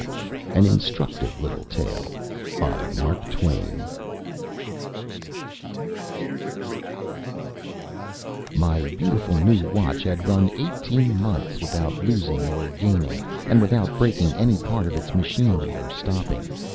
] AN INSTRUCTIVE LITTLE TALE My beautiful new watch had run eighteen months without losing or gaining, and without breaking any part of its machinery or stopping.